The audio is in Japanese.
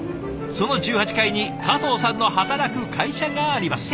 その１８階に加藤さんの働く会社があります。